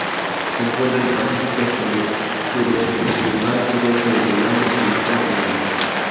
Se encuentra en el Pacífico suroccidental: el Golfo de Tailandia, Sumatra y Borneo.